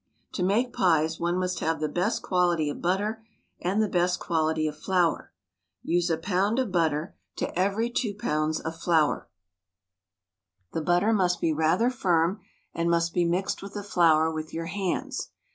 To make pies, one must have the best quality of butter and the best quality of flour. Use a pound of butter to every two pounds THE STAG COOK BOOK of flour. The butter must be rather firm and must be mixed with the flour with your hands.